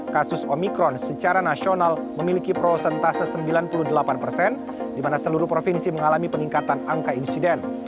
kasus omikron secara nasional memiliki prosentase sembilan puluh delapan persen di mana seluruh provinsi mengalami peningkatan angka insiden